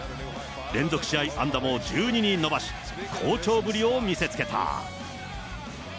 連続試合安打も１２に伸ばし、好調ぶりを見せつけた。